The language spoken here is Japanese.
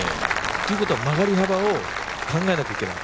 ということは曲がり幅を考えなければいけない。